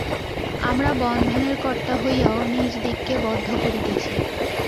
আমরা বন্ধনের কর্তা হইয়াও নিজদিগকে বদ্ধ করিতেছি।